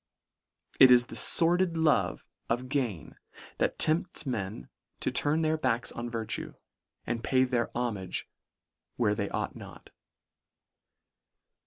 It is the fordid love of gain that tempts men to turn their backs on virtue, and pay their homage where they ought not.